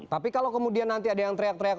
tapi kalau kemudian nanti ada yang teriak teriak